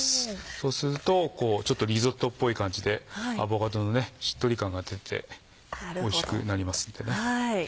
そうするとちょっとリゾットっぽい感じでアボカドのしっとり感が出ておいしくなりますのでね。